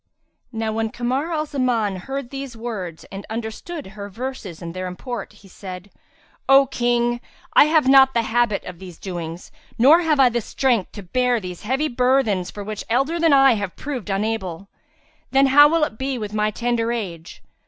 '" Now when Kamar al Zaman, heard these words and understood her verses and their import, he said, "O King, I have not the habit of these doings, nor have I strength to bear these heavy burthens for which elder than I have proved unable; then how will it be with my tender age?"